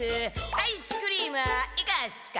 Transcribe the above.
アイスクリームはいかがっすか？